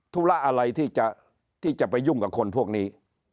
ธุระอะไรที่จะไปยุ่งกับคนพวกนี้